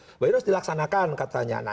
baiknya harus dilaksanakan katanya